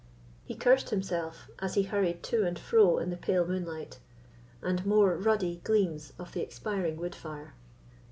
He cursed himself, as he hurried to and fro in the pale moonlight, and more ruddy gleams of the expiring wood fire.